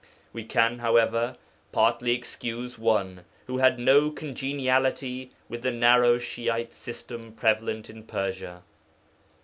We can, however, partly excuse one who had no congeniality with the narrow Shi'ite system prevalent in Persia.